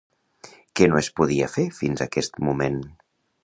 Què no es podia fer fins aquest moment?